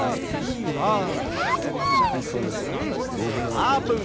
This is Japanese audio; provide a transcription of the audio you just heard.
あーぷん！